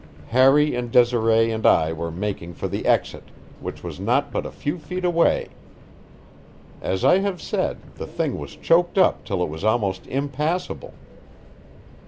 Harry and Desiree and I were making for the exit, which was not but a few feet away. As I have said, the thing was choked up till it was almost impassable.